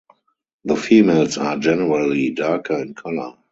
The females are generally darker in color.